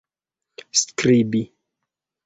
skribi